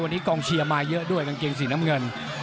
วันนี้กองเชียร์มาเยอะด้วยกางเกงสีน้ำเงิน